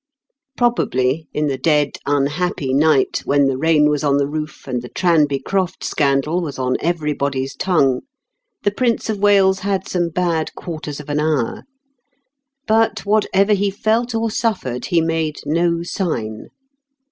Probably in the dead, unhappy night when the rain was on the roof and the Tranby Croft scandal was on everybody's tongue, the Prince of Wales had some bad quarters of an hour. But whatever he felt or suffered, he made no sign.